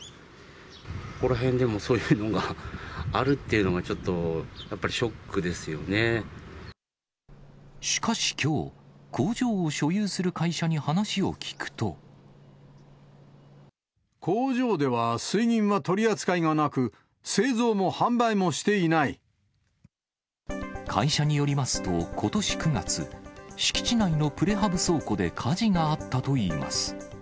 ここら辺でもそういうのがあるっていうのが、ちょっと、やっぱりしかしきょう、工場では、水銀は取り扱いが会社によりますと、ことし９月、敷地内のプレハブ倉庫で火事があったといいます。